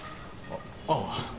あっああ。